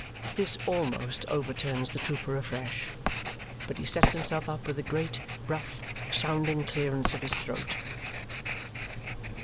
This almost overturns the trooper afresh, but he sets himself up with a great, rough, sounding clearance of his throat.